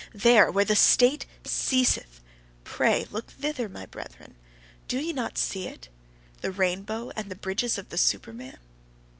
There, where the state CEASETH pray look thither, my brethren! Do ye not see it, the rainbow and the bridges of the Superman?